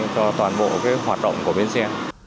cho toàn bộ cái hoạt động của bến xe